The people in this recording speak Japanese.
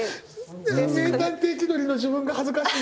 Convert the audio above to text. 名探偵気取りの自分が恥ずかしい！